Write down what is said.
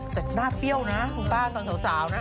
แต่หน้าเปรี้ยวนะคุณป้าตอนสาวนะ